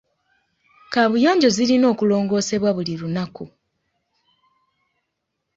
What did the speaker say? Kaabuyonjo zirina okulongoosebwa buli lunaku.